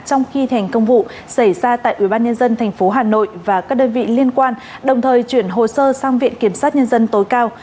trong khi thành công vụ xảy ra tại ubnd tp hà nội và các đơn vị liên quan đồng thời chuyển hồ sơ sang viện kiểm sát nhân dân tối cao